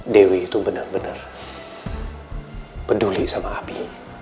dewi itu bener bener peduli sama api